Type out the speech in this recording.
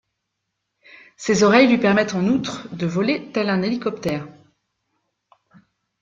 Ses oreilles lui permettent, en outre, de voler tel un hélicoptère.